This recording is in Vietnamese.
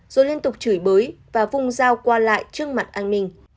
rồi liên tục chửi bới và vung dao qua lại trước mặt anh minh